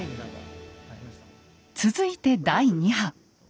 続いて第２波。